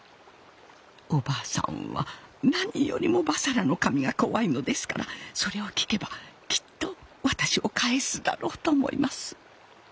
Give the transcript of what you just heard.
お婆さんは何よりも婆娑羅の神が怖いのですからそれを聞けばきっと私を返すだろうと思います。